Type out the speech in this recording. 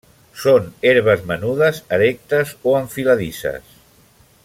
Són herbes menudes erectes o enfiladisses.